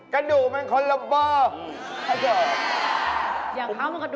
แกกระดูกเป็นคนลำบอก